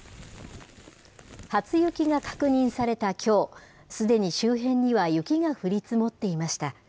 初雪が確認されたきょう、すでに周辺には雪が降り積もっていました。